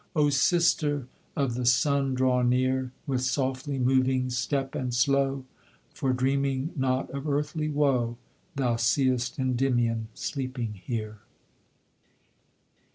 "O sister of the sun, draw near, With softly moving step and slow, For dreaming not of earthly woe Thou seest Endymion sleeping here!"